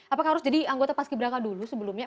apakah harus jadi anggota pas kibraka dulu sebelumnya